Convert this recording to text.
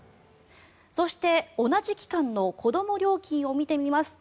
そして同じ期間の子ども料金を見てみますと